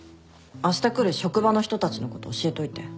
あした来る職場の人たちのこと教えといて。